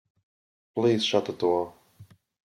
Please shut the door.